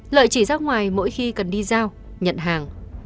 lợi chỉ ra ngoài mỗi khi cần đi giao nhận hàng